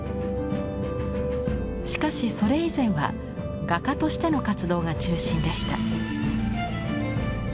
しかしそれ以前は画家としての活動が中心でした。